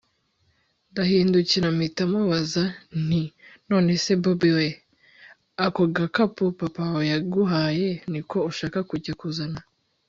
ndahindukira mpita mubaza nti nonese bobi we! ako gakapu papa wawe yaguhaye, niko ushaka kujya kuzana!